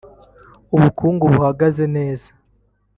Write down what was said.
ubukungu buhagaze neza